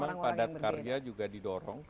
memang padat karya juga didorong